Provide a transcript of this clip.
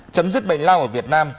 chấm dứt bệnh lao ở việt nam